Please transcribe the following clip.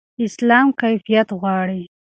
اسلام کیفیت غواړي.